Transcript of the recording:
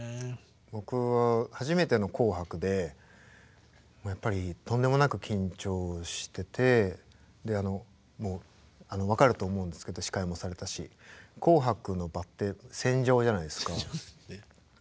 僕初めての「紅白」でやっぱりとんでもなく緊張してて分かると思うんですけど司会もされたし戦場ですね。